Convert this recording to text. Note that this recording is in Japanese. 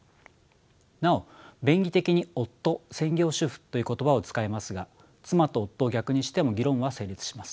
なお便宜的に夫専業主婦という言葉を使いますが妻と夫を逆にしても議論は成立します。